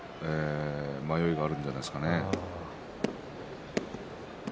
迷いがあるんじゃないですかね。